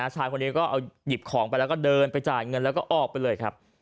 ชายคนนี้ก็เอาหยิบของไปแล้วก็เดินไปจ่ายเงินแล้วก็ออกไปเลยครับ